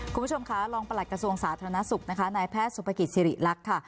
คุณผู้ชมค่ะรองประหลัดกระทรวงสาธารณสุขนะคะนายแพทย์สุภกิจสิริรักษ์ค่ะ